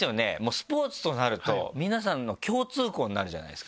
スポーツとなると皆さんの共通項になるじゃないですか。